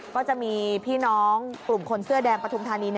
ก็จะมีพี่น้องกลุ่มคนเสื้อแดงปฐุมธานี